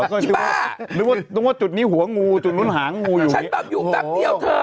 เออหรอคือไงนึกว่าจุดนี้หัวงูจุดะห้างอีบแบบอยู่แบบเดียวเธอ